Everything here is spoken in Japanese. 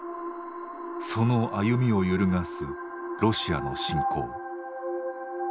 その歩みを揺るがすロシアの侵攻。